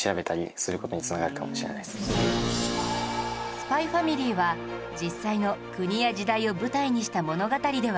『ＳＰＹ×ＦＡＭＩＬＹ』は実際の国や時代を舞台にした物語ではありませんが